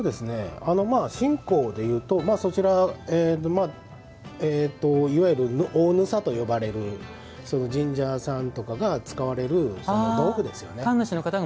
信仰でいうといわゆる大幣と呼ばれる、神社さんとかが使われる、道具ですよね。